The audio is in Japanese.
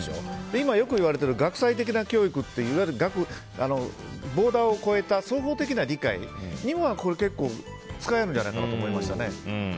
今、よくいわれているいわゆるボーダーを超えた総合的な理解には結構、使えるんじゃないかなと思いましたね。